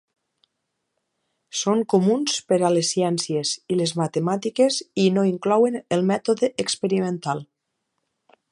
Són comuns per a les ciències i les matemàtiques i no inclouen el mètode experimental.